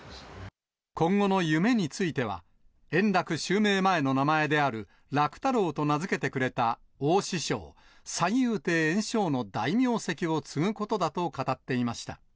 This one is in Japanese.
今後の夢については、円楽襲名前の名前である、楽太郎と名付けてくれた大師匠、三遊亭圓生の大名跡を継ぐことだと語っていました。